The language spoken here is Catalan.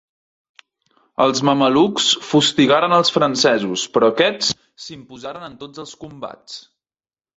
Els mamelucs fustigaren els francesos però aquests s'imposaren en tots els combats.